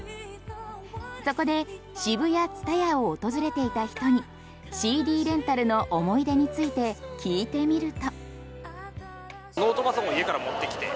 そこでＳＨＩＢＵＹＡＴＳＵＴＡＹＡを訪れていた人にＣＤレンタルの思い出について聞いてみると。